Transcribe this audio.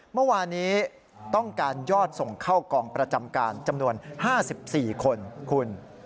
เมื่อวานี้ต้องการยอดส่งเข้ากองประจำการจำนวน๕๔คนคุณ